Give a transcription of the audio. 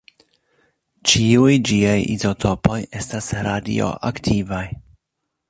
Ĉiuj ĝiaj izotopoj estas radioaktivaj.